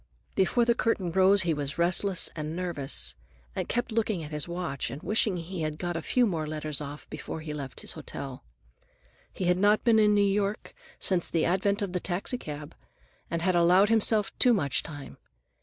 Before the curtain rose he was restless and nervous, and kept looking at his watch and wishing he had got a few more letters off before he left his hotel. He had not been in New York since the advent of the taxicab, and had allowed himself too much time.